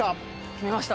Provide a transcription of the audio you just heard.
決めました。